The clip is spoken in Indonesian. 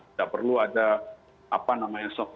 tidak perlu ada apa namanya